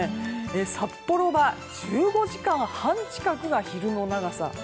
札幌は１５時間半近くが昼の長さ。